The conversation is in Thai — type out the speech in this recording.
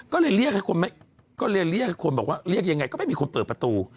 ก็เลยเรียกให้คนบอกว่าเรียกยังไงก็ไม่มีคนเปิดประตู